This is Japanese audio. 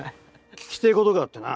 聞きてえことがあってな。